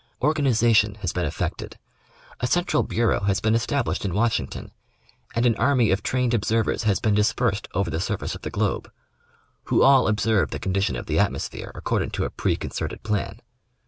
Organi zation has been effected. A Central Bureau has been established in Washington, and an army of trained observers has been dispersed over the surface of the globe, who all observe the con dition of the atmosphere according to a pre concerted plan.